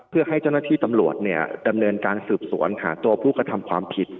เพื่อให้เจ้าหน้าที่ตำรวจดำเนินการสืบสวนหาตัวผู้กระทำความผิด